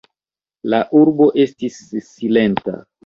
La urbo estis silenta.